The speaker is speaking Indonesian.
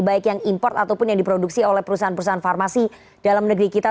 baik yang import ataupun yang diproduksi oleh perusahaan perusahaan farmasi dalam negeri kita